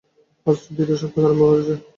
আজ দ্বিতীয় সপ্তক আরম্ভ হয়েছে।